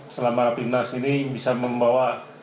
selama rapi nas ini bisa membawa